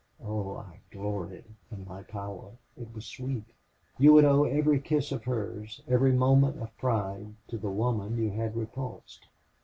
Oh, I gloried in my power. It was sweet. You would owe every kiss of hers, every moment of pride, to the woman you had repulsed.